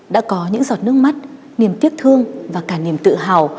đã có những giọt nước mắt niềm tiếc thương và cả niềm tự hào